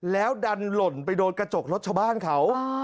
แล้วดันหล่นไปโดนกระจกรถชาวบ้านเขา